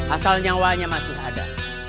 asal nyawanya masih ada